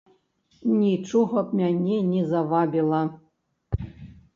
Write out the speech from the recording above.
Нічога б мяне не завабіла.